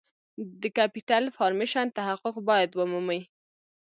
د Capital Formation تحقق باید ومومي.